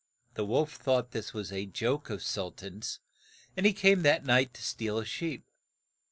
The wolf thought this was a joke of Sul tan's, and he came that night to steal a sheep.